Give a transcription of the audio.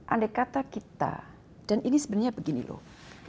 andai kata kita dan ini sebenarnya begini loh